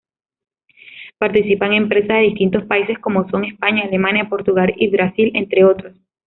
Participan empresas de distintos países como son España, Alemania, Portugal y Brasil, entre otros.